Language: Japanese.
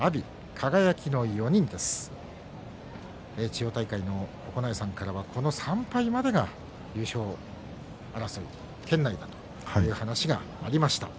千代大海の九重さんからはこの３敗までが優勝争い圏内だという話がありました。